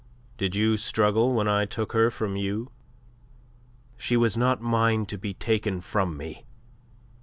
Did you struggle when I took her from you?" "She was not mine to be taken from me.